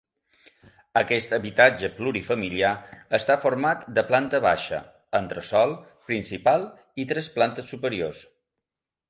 Aquest habitatge plurifamiliar està format de planta baixa, entresòl, principal i tres plantes superiors.